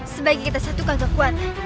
sebaiknya kita satukan kekuatan